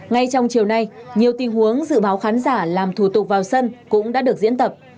ngay trong chiều nay nhiều tình huống dự báo khán giả làm thủ tục vào sân cũng đã được diễn tập